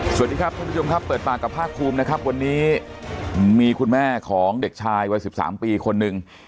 สวัสดีครับท่านผู้ชมครับเปิดปากกับภาคภูมินะครับวันนี้มีคุณแม่ของเด็กชายวัย๑๓ปีคนหนึ่ง